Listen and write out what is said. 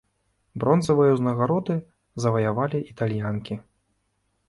Бронзавыя ўзнагароды заваявалі італьянкі.